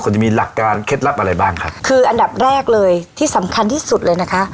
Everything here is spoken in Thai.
จะมีหลักการเคล็ดลับอะไรบ้างครับคืออันดับแรกเลยที่สำคัญที่สุดเลยนะคะ